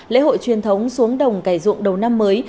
lễ hội truyền thống xuống đồng cải ruộng đầu năm mới